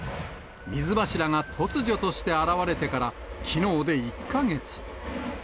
水柱が突如として現れてから、きのうで１か月。